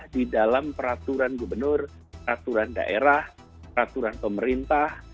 di dalam peraturan gubernur peraturan daerah peraturan pemerintah